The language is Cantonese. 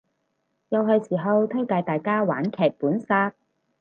又係時候推介大家玩劇本殺